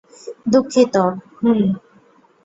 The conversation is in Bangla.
দুঃখিত, হুম।